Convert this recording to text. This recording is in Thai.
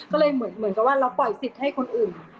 ก็เลยเหมือนกับว่าเราปล่อยสิทธิ์ให้คนอื่น